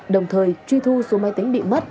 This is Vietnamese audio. đồng thời truy thu số mê tính bị mất